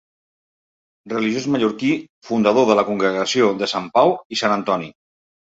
Religiós mallorquí fundador de la Congregació de Sant Pau i Sant Antoni.